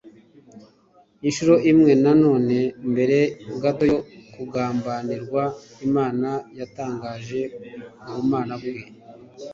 Inshuro imwe na none, mbere gato yo kugambanirwa, Imana yatangaje ubumana bwe.